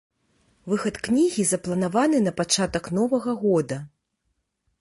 Выхад кнігі запланаваны на пачатак новага года.